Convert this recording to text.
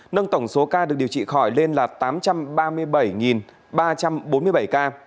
nâng tổng số ca được điều trị khỏi lên là tám trăm ba mươi bảy ba trăm bốn mươi bảy ca